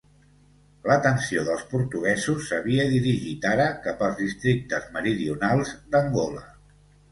L'atenció dels portuguesos s'havia dirigit ara cap als districtes meridionals d'Angola.